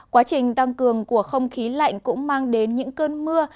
quá trình tăng cường của không khí lạnh cũng mang đến những cơn mưa